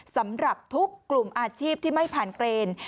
สำหรับทุกกลุ่มอาชีพที่ไม่ผ่านเกณฑ์